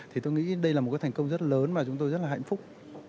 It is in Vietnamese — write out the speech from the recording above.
thì tôi nghĩ đây là một cái thành công rất lớn mà chúng tôi rất là hạnh phúc